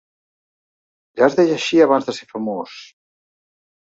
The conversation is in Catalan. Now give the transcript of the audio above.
Ja es deia així abans de ser famós.